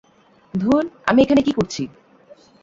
ধুর, আমি এখানে কি করছি?